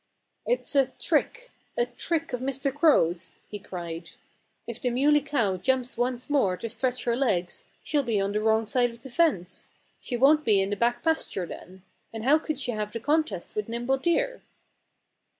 "It's a trick a trick of Mr. Crow's!" he cried. "If the Muley Cow jumps once more to stretch her legs she'll be on the wrong side of the fence. She won't be in the back pasture then. And how could she have the contest with Nimble Deer?"